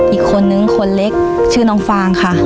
อีกคนนึงคนเล็กชื่อน้องฟางค่ะ